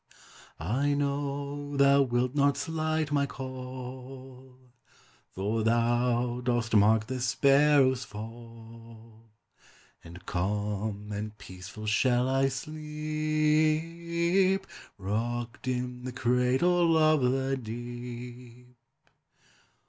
I know thou wilt not slight my call, For thou dost mark the sparrow's fall; And calm and peaceful shall I sleep, Rocked in the cradle of the deep.